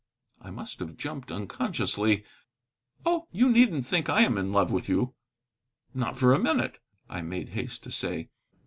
I must have jumped unconsciously. "Oh, you needn't think I am in love with you." "Not for a minute," I made haste to say.